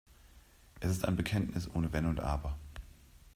Es ist ein Bekenntnis ohne Wenn und Aber.